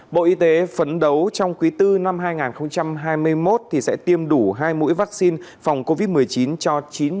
bộ y tế phấn đấu trong quý bốn năm hai nghìn hai mươi một sẽ tiêm đủ hai mũi vaccine phòng covid một mươi chín cho chín người